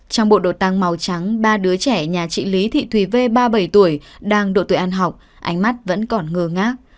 trong bộ đột tăng màu trắng ba đứa trẻ nhà chị lý thị thùy v ba mươi bảy tuổi đang độ tuổi ăn học ánh mắt vẫn còn ngơ ngác